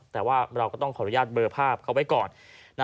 แต่ว่าเราก็ต้องขออนุญาตเบอร์ภาพเขาไว้ก่อน